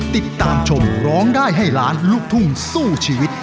ติดตามชมร้องได้ให้ล้านลูกทุ่งสู้ชีวิต